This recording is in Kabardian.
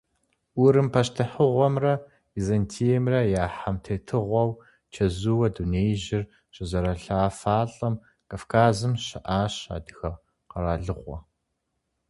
Урым пащтыхьыгъуэмрэ Византиемрэ я хьэмтетыгъуэу чэзууэ дунеижьыр щызэралъэфалӏэм Кавказым щыӏащ адыгэ къэралыгъуэ.